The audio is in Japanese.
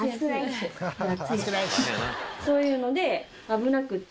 そういうので危なくって。